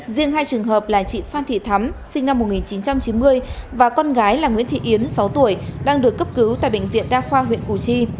riêng hai trường hợp là chị phan thị thắm sinh năm một nghìn chín trăm chín mươi và con gái là nguyễn thị yến sáu tuổi đang được cấp cứu tại bệnh viện đa khoa huyện củ chi